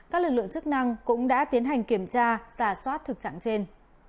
các lực lượng chức năng cũng đã tiến hành kiểm tra giả soát thực trạng trên